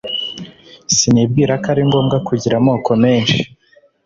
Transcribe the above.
Sinibwira ko ari ngombwa kugira amoko menshi